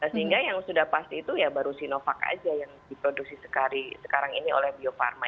sehingga yang sudah pasti itu ya baru sinovac aja yang diproduksi sekarang ini oleh bio farma